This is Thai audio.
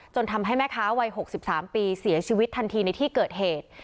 ทำให้แม่ค้าวัย๖๓ปีเสียชีวิตทันทีในที่เกิดเหตุ